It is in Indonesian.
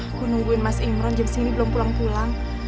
aku nungguin mas imron jam sini belum pulang pulang